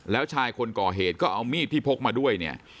แล้วชายคนก่อเหตุก็เอามีดที่พกมาด้วยเนี่ย